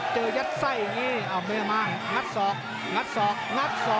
เจอยัดไส้อย่างนี้เอาเบอร์มางัดสอกงัดสอกงัดสอก